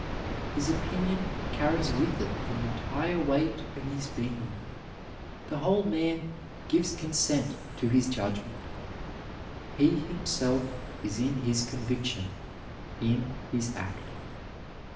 His opinion carries with it the entire weight of his being. The whole man gives consent to his judgment. He himself is in his conviction, in his act.